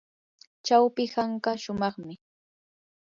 chawpi hanka shumaqmi.